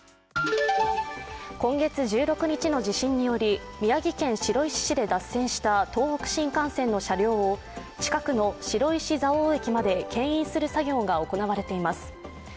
今月１６日地震により宮城県白石市で脱線した東北新幹線の車両を近くの白石蔵王駅までけん引する作業が行われています。